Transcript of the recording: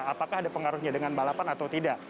apakah ada pengaruhnya dengan balapan atau tidak